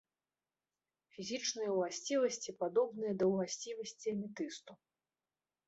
Фізічныя ўласцівасці падобныя да ўласцівасцей аметысту.